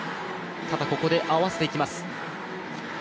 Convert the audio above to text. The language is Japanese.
ただ、ここで合わせていきます。